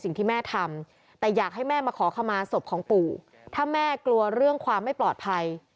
สิ่งที่แม่ทำแต่อยากให้แม่มาขอขมาศพของปู่ถ้าแม่กลัวเรื่องความไม่ปลอดภัย